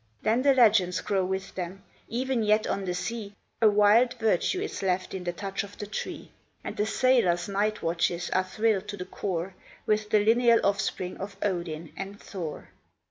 Then the legends go with them, even yet on the sea A wild virtue is left in the touch of the tree, And the sailor's night watches are thrilled to the core With the lineal offspring of Odin and Thor.